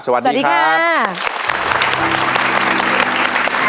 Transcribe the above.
สวัสดีครับ